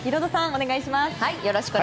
お願いします。